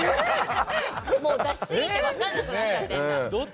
出しすぎて分からなくなっちゃってるんだ。